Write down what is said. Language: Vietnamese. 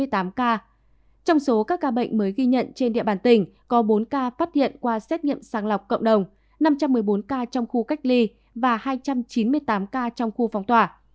trong số các ca bệnh mới ghi nhận trên địa bàn tỉnh có bốn ca phát hiện qua xét nghiệm sàng lọc cộng đồng năm trăm một mươi bốn ca trong khu cách ly và hai trăm chín mươi tám ca trong khu phong tỏa